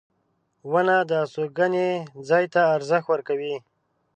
• ونه د استوګنې ځای ته ارزښت ورکوي.